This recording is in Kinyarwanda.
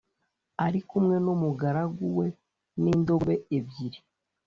ari kumwe n umugaragu we n indogobe ebyiri